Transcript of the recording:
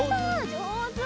じょうず！